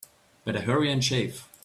Better hurry and shave.